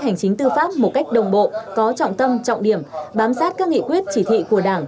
hành chính tư pháp một cách đồng bộ có trọng tâm trọng điểm bám sát các nghị quyết chỉ thị của đảng